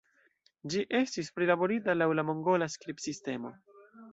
Ĝi estis prilaborita laŭ la mongola skribsistemo.